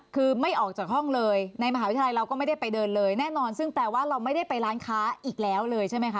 คือไม่ออกจากห้องเลยในมหาวิทยาลัยเราก็ไม่ได้ไปเดินเลยแน่นอนซึ่งแปลว่าเราไม่ได้ไปร้านค้าอีกแล้วเลยใช่ไหมคะ